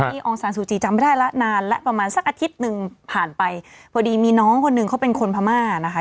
องซานซูจีจำไม่ได้แล้วนานแล้วประมาณสักอาทิตย์หนึ่งผ่านไปพอดีมีน้องคนหนึ่งเขาเป็นคนพม่านะคะ